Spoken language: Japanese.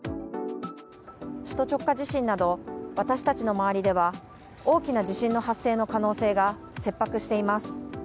首都直下地震など、私たちの周りでは、大きな地震の発生の可能性が切迫しています。